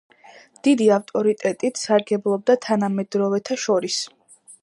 დიდი ავტორიტეტით სარგებლობდა თანამედროვეთა შორის.